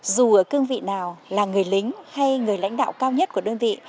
dù ở cương vị nào là người lính hay người lãnh đạo cao nhất của đơn vị